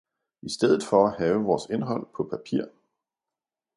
i stedet for at have vores indhold på papir